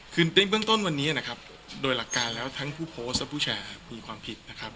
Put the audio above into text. คือในเบื้องต้นวันนี้นะครับโดยหลักการแล้วทั้งผู้โพสต์และผู้แชร์มีความผิดนะครับ